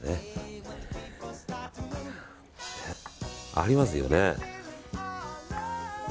ありますよね。